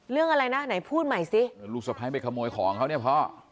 เรื่องอะไรนะไหนพูดใหม่สิลูกสะพ้ายไปขโมยของเขาเนี่ยพ่อ